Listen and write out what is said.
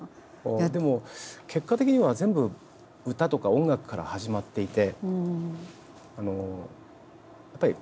でも結果的には全部歌とか音楽から始まっていて。